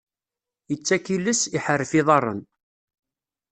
Ittak iles, iḥerref iḍaṛṛen.